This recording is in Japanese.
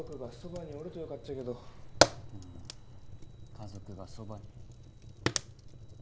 家族がそば。